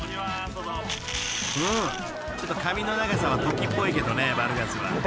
［ちょっと髪の長さはトキっぽいけどねバルガスは］